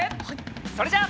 それじゃあ。